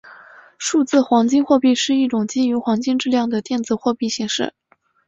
数字黄金货币是一种基于黄金质量的电子货币形式。